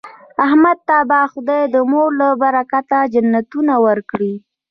احمد ته به خدای د مور له برکته جنتونه ورکړي.